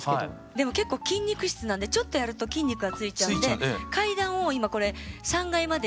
でも結構筋肉質なんでちょっとやると筋肉がついちゃうんで階段を今これ３階まで１５往復。